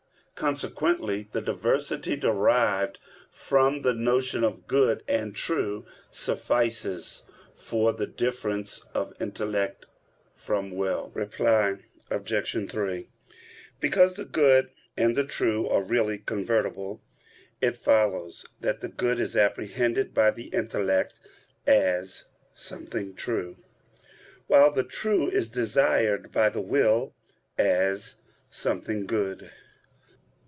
Consequently the diversity derived from the notion of good and true suffices for the difference of intellect from will. Reply Obj. 3: Because the good and the true are really convertible, it follows that the good is apprehended by the intellect as something true; while the true is desired by the will as something good.